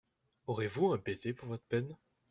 Aurez-vous un baiser pour votre peine ?